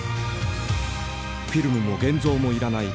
フィルムも現像も要らない